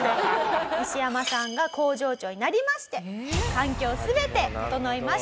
西山さんが工場長になりまして環境全て整いました。